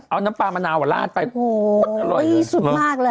เอาน้ำปลามะนาวลาดไปโอ้โหอร่อยสุดมากเลย